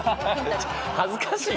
恥ずかしいわ。